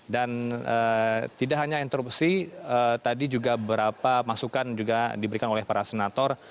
dan tidak hanya interupsi tadi juga beberapa masukan juga diberikan oleh para senator